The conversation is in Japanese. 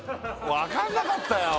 分かんなかったよ